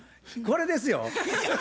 これですよ。